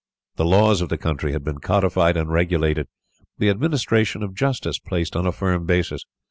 The laws of the country had been codified and regulated, the administration of justice placed on a firm basis.